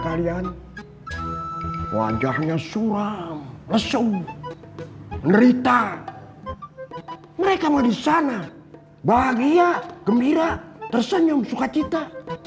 kalian wajahnya suram lesu nerita mereka mau di sana bahagia gembira tersenyum sukacita